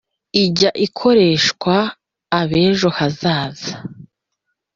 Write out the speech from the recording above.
ijya ikoreshwa ab’ejo hazaza,